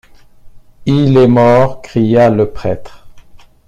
Il est mort! cria le prêtre.